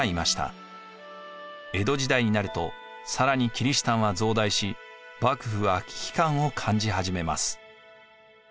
江戸時代になると更にキリシタンは増大し幕府は危機感を感じ始めます。